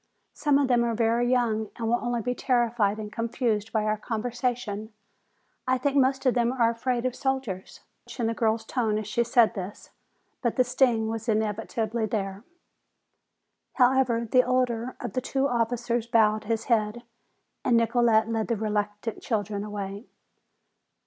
"Some of them are very young and will only be terrified and confused by our conversation. I think most of them are afraid of soldiers." There was no reproach in the girl's tone as she said this. But the sting was inevitably there. However, the older of the two officers bowed his head and Nicolete led the reluctant children away.